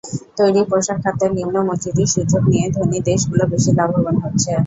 তৈরি পোশাক খাতের নিম্ন মজুরির সুযোগ নিয়ে ধনী দেশগুলো বেশি লাভবান হচ্ছে।